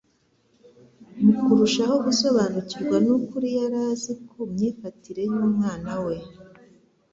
Mu kurushaho gusobanukirwa n'ukuri yari azi ku myifatire y'Umwana we,